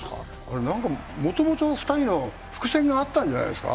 もともと２人の伏線があったんじゃないですか。